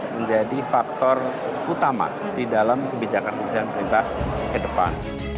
menjadi faktor utama di dalam kebijakan kebijakan perintah ke depan